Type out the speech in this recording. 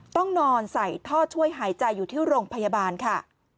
ต้องนอนใส่ท่อช่วยหายใจอยู่ที่โรงพยาบาลค่ะ